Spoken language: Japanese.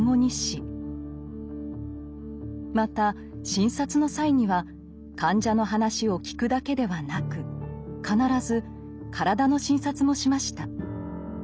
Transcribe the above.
また診察の際には患者の話を聞くだけではなく必ず体の診察もしました。